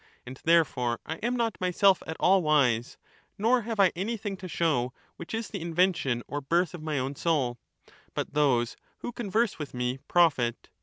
And therefore I am not myself at all wise, nor have I an3rthing to show which is the invention or birth of my own soul, but those who converse with me profit.